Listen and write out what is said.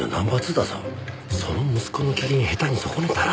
その息子の機嫌下手に損ねたら。